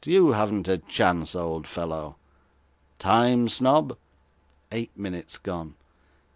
You haven't a chance, old fellow. Time, Snobb?' 'Eight minutes gone.